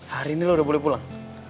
hari ini lo udah boleh pulang